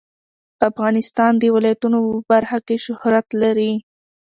افغانستان د ولایتونو په برخه کې شهرت لري.